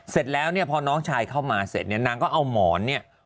เสร็จแล้วเนี่ยพอน้องชายเข้ามาเสร็จเนี่ยนางก็เอาหมอนเนี่ย